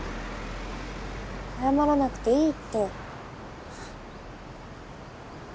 謝らなくていいって。